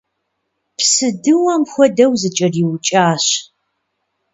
Псыдыуэм хуэдэу зыкӏэриукӏащ.